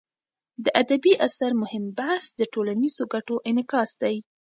د ادبي اثر مهم بحث د ټولنیزو ګټو انعکاس دی.